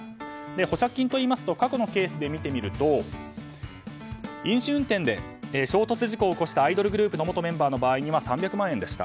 保釈金といいますと過去のケースで見てみると飲酒運転で衝突事故を起こしたアイドルグループの元メンバーの場合には３００万円でした。